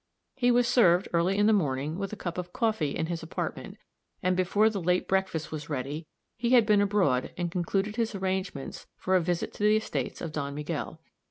He was served, early in the morning, with a cup of coffee in his apartment, and before the late breakfast was ready, he had been abroad and concluded his arrangements for a visit to the estates of Don Miguel.